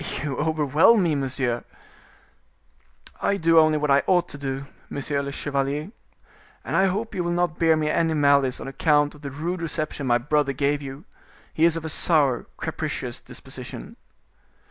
"You overwhelm me, monsieur." "I do only what I ought to do, monsieur le chevalier; and I hope you will not bear me any malice on account of the rude reception my brother gave you. He is of a sour, capricious disposition."